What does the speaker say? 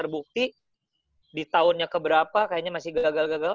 bukti di tahunnya keberapa kayaknya masih gagal gagal